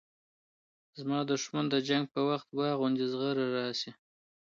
زما دښمن د جنګ په وخت واغوندي زغره راسي